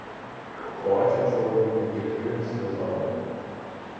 Плаче чоловік гіркими сльозами.